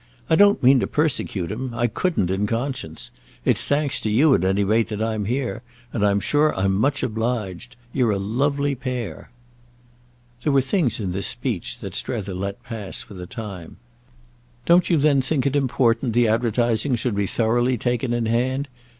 I don't mean to persecute him; I couldn't in conscience. It's thanks to you at any rate that I'm here, and I'm sure I'm much obliged. You're a lovely pair." There were things in this speech that Strether let pass for the time. "Don't you then think it important the advertising should be thoroughly taken in hand?